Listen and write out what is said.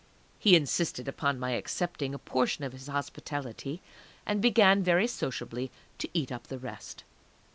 He insisted upon my accepting a portion of his hospitality, and began, very sociably, to eat up the rest.